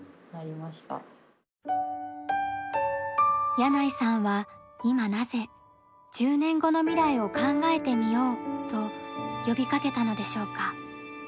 箭内さんは今なぜ１０年後の未来を考えてみようと呼びかけたのでしょうか？